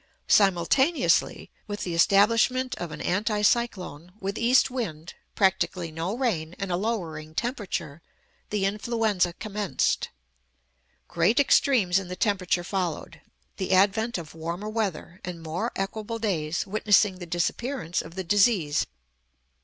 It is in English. Simultaneously with the establishment of an anti cyclone, with east wind, practically no rain, and a lowering temperature, the influenza commenced. Great extremes in the temperature followed, the advent of warmer weather and more equable days witnessing the disappearance of the disease.